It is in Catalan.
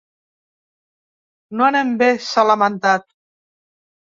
No anem bé, s’ha lamentat.